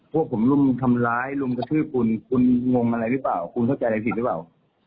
พวกผมรุมทำร้ายรุมกระทืบคุณคุณงงอะไรหรือเปล่าคุณเข้าใจอะไรผิดหรือเปล่า